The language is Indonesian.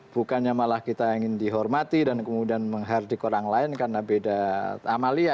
bukannya malah kita ingin dihormati dan kemudian menghardik orang lain karena beda amalia